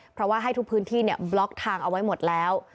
เพราะว่าให้ทุกพื้นที่บล็อกทางเอาไว้หมดแล้ว